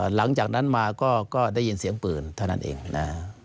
หลังจากนั้นมาก็ได้ยินเสียงปืนเท่านั้นเองนะฮะ